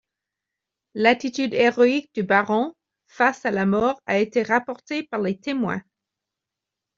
L'attitude héroïque du baron face à la mort a été rapportée par les témoins.